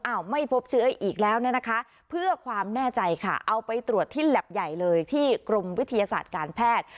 ไม่พบเชื้ออีกแล้วเนี่ยนะคะเพื่อความแน่ใจค่ะเอาไปตรวจที่แล็บใหญ่เลยที่กรมวิทยาศาสตร์การแพทย์